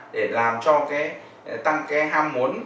để làm cho tăng ham muốn